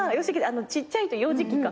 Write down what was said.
ちっちゃい幼児期か。